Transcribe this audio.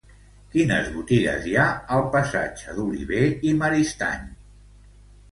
Quines botigues hi ha al passatge d'Olivé i Maristany?